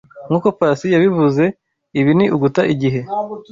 Nkuko Pacy yabivuze, ibi ni uguta igihe.